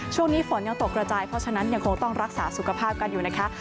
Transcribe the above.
ช่วงนี้ฝนยังตกกระจายเพราะฉะนั้นยังคงต้องรักษาสุขภาพกันอยู่นะคะ